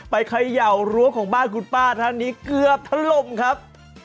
เขย่ารั้วของบ้านคุณป้าท่านนี้เกือบทะลมครับ